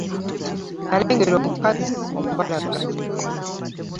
Nalengera omukazi omubalagavu.